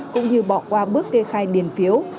cũng như bỏ qua bước kê khai điền phiếu